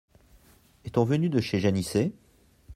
Est-on venu de chez Janisset ?